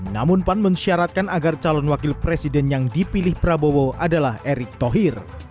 namun pan mensyaratkan agar calon wakil presiden yang dipilih prabowo adalah erick thohir